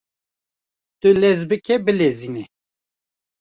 Tu lez bike bilezîne